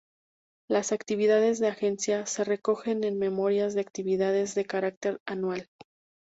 Las actividades de la Agencia se recogen en memorias de actividades de carácter anual.